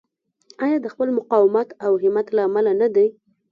آیا د خپل مقاومت او همت له امله نه دی؟